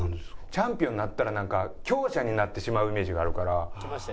チャンピオンになったら強者になってしまうイメージがあるから。